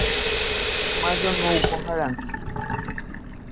তোমার জন্য উপহার আনছি।